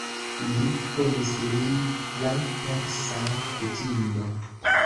Mi punis lin laŭ Persa kutimo.